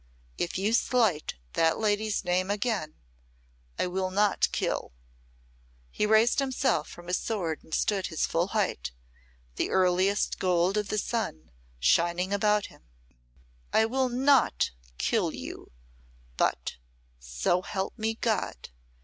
If you slight that lady's name again I will not kill" he raised himself from his sword and stood his full height, the earliest gold of the sun shining about him "I will not kill you, but so help me God!